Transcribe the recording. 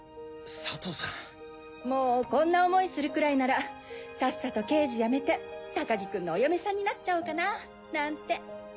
佐藤さん。もこんな思いするくらいならさっさと刑事辞めて高木君のお嫁さんになっちゃおうかな？なんて。